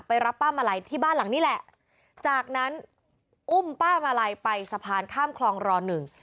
รับป้ามาลัยที่บ้านหลังนี้แหละจากนั้นอุ้มป้ามาลัยไปสะพานข้ามคลองรอหนึ่ง